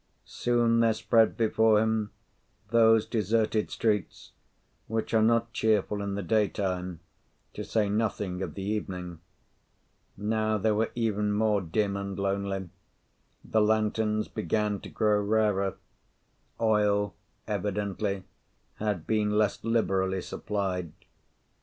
Soon there spread before him those deserted streets, which are not cheerful in the daytime, to say nothing of the evening. Now they were even more dim and lonely: the lanterns began to grow rarer, oil, evidently, had been less liberally supplied.